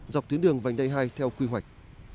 dọc tuyến đường vành đại hai theo quy hoạch